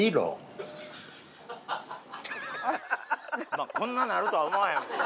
まぁこんななるとは思わへんもんな。